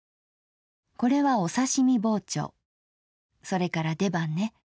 これはおさしみ包丁それから出刃ね。